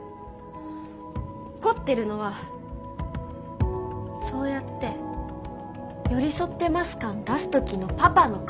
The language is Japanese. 怒ってるのはそうやって「寄り添ってます感」出す時のパパの顔。